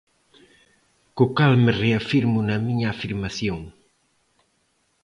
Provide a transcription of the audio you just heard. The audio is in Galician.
Co cal me reafirmo na miña afirmación.